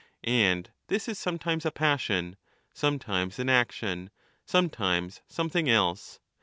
And this is sometimes a passion, sometimes an action, sometimes some thing else.